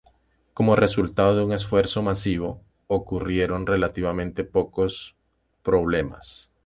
Como resultado de un esfuerzo masivo, ocurrieron relativamente pocos problemas.